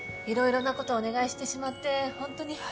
いろいろなことをお願いしてしまって本当に。